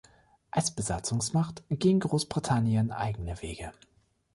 Als Besatzungsmacht ging Großbritannien eigene Wege.